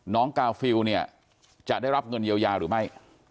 กาฟิลเนี่ยจะได้รับเงินเยียวยาหรือไม่